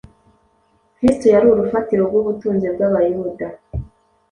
Kristo yari urufatiro rw’ubutunzi bw’Abayuda.